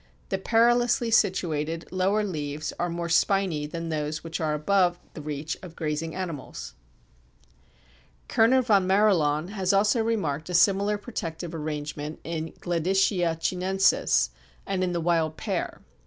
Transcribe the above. The perilously situated lower leaves are more spiny than those which are above the reach of grazing animals. Kerner von Marilaun also has remarked a similar protective arrangement in Gleditschia chinensis and in the Wild Pear.